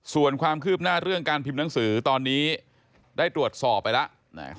ส่วนความคืบหน้าเรื่องการพิมพ์หนังสือตอนนี้ได้ตรวจสอบไปแล้ว